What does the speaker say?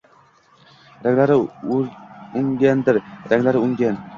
Ranglari o‘nggandir, ranglari o‘nggan